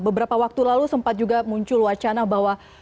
beberapa waktu lalu sempat juga muncul wacana bahwa